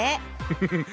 フフフ。